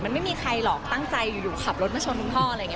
มันไม่มีใครหรอกตั้งใจอยู่ขับรถมาชนคุณพ่ออะไรอย่างนี้